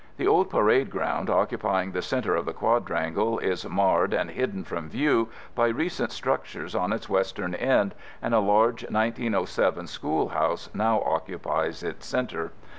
The old Parade Ground, occupying the center of the Quadrangle is marred and hidden from view by recent structures on its Western end and a large 1907 school house now occupies its center.